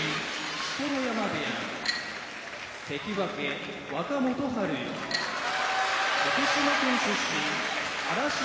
錣山部屋関脇・若元春福島県出身荒汐